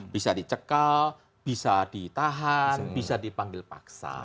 bisa dicekal bisa ditahan bisa dipanggil paksa